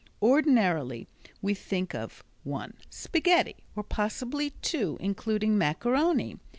Ordinarily we think of one spaghetti or possibly two, including macaroni.